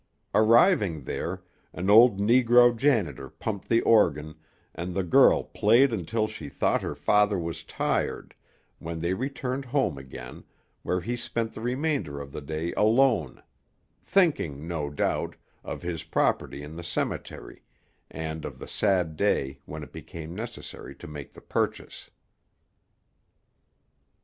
Arriving there, an old negro janitor pumped the organ, and the girl played until she thought her father was tired, when they returned home again, where he spent the remainder of the day alone; thinking, no doubt, of his property in the cemetery, and of the sad day when it became necessary to make the purchase.